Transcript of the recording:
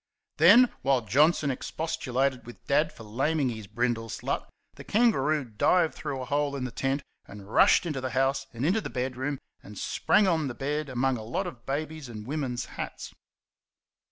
Then, while Johnson expostulated with Dad for laming his brindle slut, the kangaroo dived through a hole in the tent and rushed into the house and into the bedroom, and sprang on the bed among a lot of babies and women's hats.